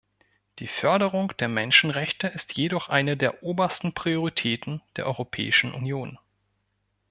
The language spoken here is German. Die Förderung der Menschenrechte ist jedoch eine der obersten Prioritäten der Europäischen Union.